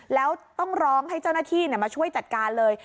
แล้วต้องร้องให้เจ้าหน้าที่มาช่วยจัดการเลย